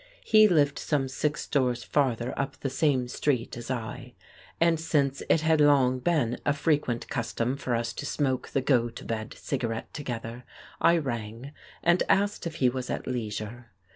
He lived some six doors farther up the same street as I, and since it had long been a frequent custom for us to smoke the "go to bed" cigarette together, I rang and asked if he was at leisure.